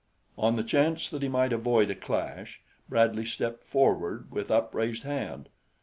On the chance that he might avoid a clash, Bradley stepped forward with upraised hand.